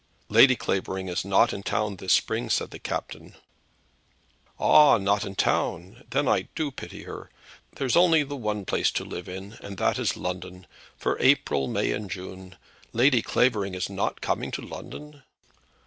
"Lady Clavering is not in town this spring," said the captain. "Ah, not in town! Then I do pity her. There is only de one place to live in, and that is London, for April, May, and June. Lady Clavering is not coming to London?"